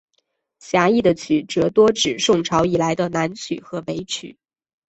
狭义的曲则多指宋朝以来的南曲和北曲。